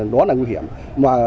đoán là người đó là con ma túy đá